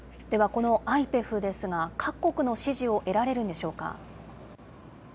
このＩＰＥＦですが、各国の支持を得られるんでしょうか。